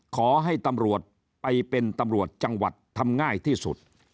ขอให้ตำรวจไปเป็นตำรวจจังหวัดทำง่ายที่สุด